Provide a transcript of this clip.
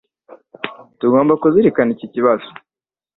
Tugomba kuzirikana iki kibazo.